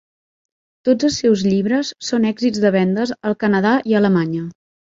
Tots els seus llibres són èxits de vendes al Canadà i a Alemanya.